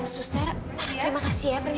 suster terima kasih ya